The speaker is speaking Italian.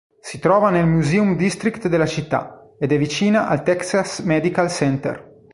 Si trova nel "Museum District" della città ed è vicina al Texas Medical Center.